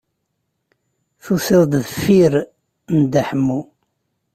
Tusiḍ-d deffif n Dda Ḥemmu.